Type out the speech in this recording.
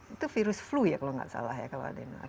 itu virus flu ya kalau tidak salah ya kalau adenovirus